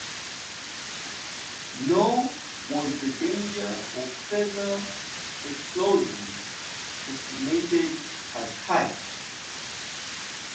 Nor was the danger of further explosions estimated as high.